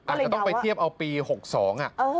อาจจะต้องไปเทียบเอาปี๖๒อ่ะ